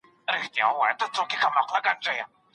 چي له وخت سره ژوند جوړ کړي بريالی وي